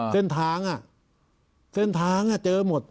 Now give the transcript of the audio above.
เส้นทางเส้นทางเจอหมด